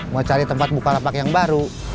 mau cari tempat bukalapak yang baru